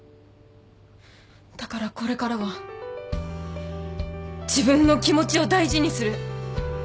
だからこれからは自分の気持ちを大事にする。